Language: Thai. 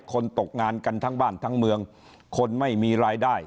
ตกงานกันทั้งบ้านทั้งเมืองคนไม่มีรายได้